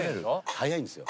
速いんですよ」